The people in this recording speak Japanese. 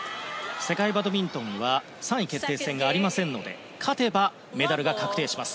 世界バドミントンは３位決定戦がありませんので勝てばメダルが確定します。